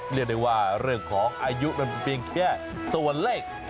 เรียกได้ว่าเรื่องของอายุมันเพียงแค่ตัวเลข